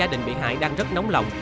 và gia đình bị hại đang rất nóng lòng